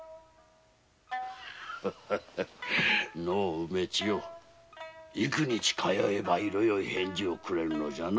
梅千代幾日通えば色よい返事をくれるのじゃ？